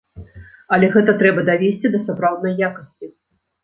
Але гэта трэба давесці да сапраўднай якасці.